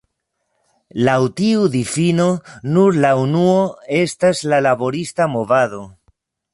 Laŭ tiu difino, nur la unuo estas la "laborista movado".